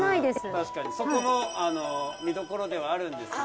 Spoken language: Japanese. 確かにそこも見どころではあるんですが。